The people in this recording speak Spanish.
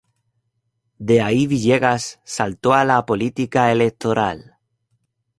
De ahí Villegas saltó a la política electoral.